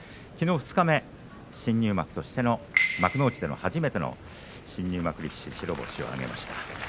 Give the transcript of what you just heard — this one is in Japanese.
きのう二日目、新入幕としての幕内での初めての新入幕力士、白星を挙げました。